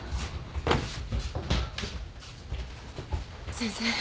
・先生。